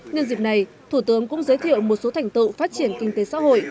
nhân dịp này thủ tướng cũng giới thiệu một số thành tựu phát triển kinh tế xã hội